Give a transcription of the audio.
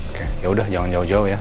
oke yaudah jangan jauh jauh ya